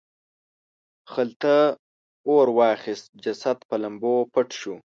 خلته اور واخیست جسد په لمبو پټ شو.